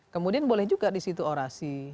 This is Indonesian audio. kemudian boleh juga disitu orasi